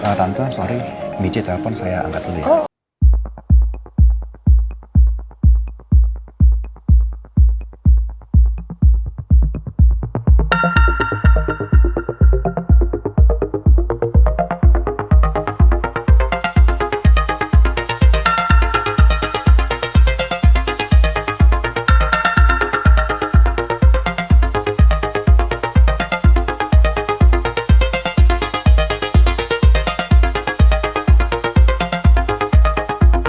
ah tante sorry mencet hapon saya angkat dulu ya